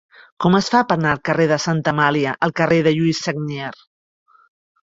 Com es fa per anar del carrer de Santa Amàlia al carrer de Lluís Sagnier?